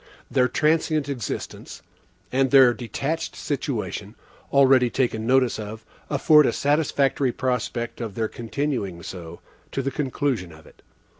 Their transient existence, and their detached situation, already taken notice of, afford a satisfactory prospect of their continuing so, to the conclusion of it.